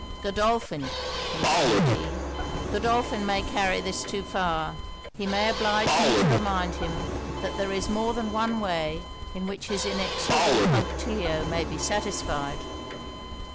Godolphin,' continued he 'Godolphin may carry this too far; he may oblige me to remind him that there is more than one way in which his inexorable punctilio may be satisfied.'